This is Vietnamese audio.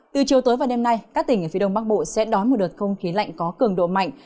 từ chiều tối và đêm nay các tỉnh ở phía đông bắc bộ sẽ đón một đợt không khí lạnh có cường độ mạnh